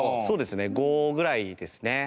そうですね。５ぐらいですね。